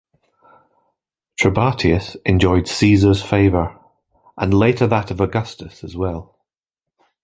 Trebatius enjoyed Caesar's favor, and later that of Augustus as well.